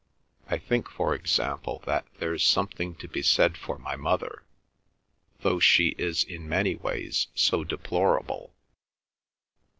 I think, for example, that there's something to be said for my mother, though she is in many ways so deplorable.